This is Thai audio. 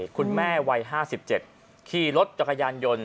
คุณแม่วัย๕๗ขี่รถจักรยานยนต์